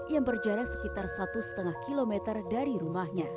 yang berjarak sekitar satu lima km dari rumahnya